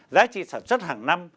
giá trị sản xuất hàng năm